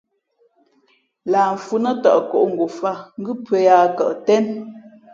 Lah mfhʉ̄ nά tαʼ kǒʼ ngofāt ngʉ́ pʉᾱ yāā jαʼ tén yáá.